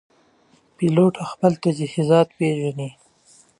پیلوټ خپل تجهیزات پېژني.